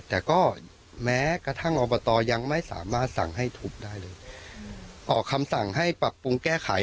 แต่ก็แม้กระทั่งอบตยังไม่สามารถสั่งให้ทุบได้เลยออกคำสั่งให้ปรับปรุงแก้ไข